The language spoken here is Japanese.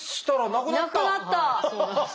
なくなった！